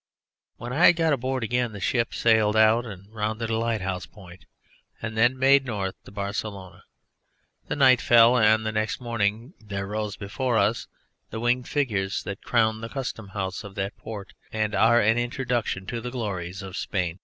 When I had got aboard again the ship sailed out and rounded a lighthouse point and then made north to Barcelona. The night fell, and next morning there rose before us the winged figures that crown the Custom House of that port and are an introduction to the glories of Spain.